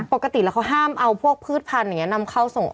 ปกติแล้วเขาห้ามเอาพวกพืชพันธุ์อย่างนี้นำเข้าส่ง